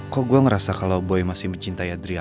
kok gue ngerasa kalau boy masih mencintai adriana ya